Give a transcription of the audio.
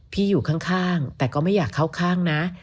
อยู่ข้างแต่ก็ไม่อยากเข้าข้างนะ